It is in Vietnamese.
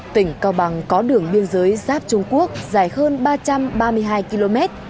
tỉnh cao bằng có đường biên giới giáp trung quốc dài hơn ba trăm ba mươi hai km